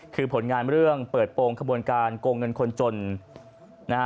คือผลงานเรื่องเปิดโปรงขบวนการโกงเงินคนจนนะฮะ